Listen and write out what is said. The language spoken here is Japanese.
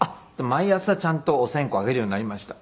毎朝ちゃんとお線香あげるようになりました。